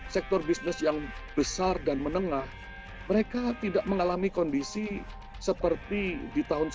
sektor bisnis yang besar dan menengah mereka tidak mengalami kondisi seperti di tahun seribu sembilan ratus sembilan puluh tujuh seribu sembilan ratus sembilan puluh delapan